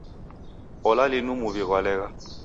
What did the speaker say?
Ola linu muw'I ghwalegha!